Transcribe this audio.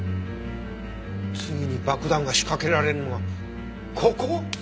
次に爆弾が仕掛けられるのがここ！？